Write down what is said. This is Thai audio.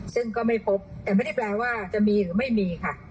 ซึ่งก็ไม่พบแต่ไม่ได้แปลว่าจะมีหรือไม่มีค่ะ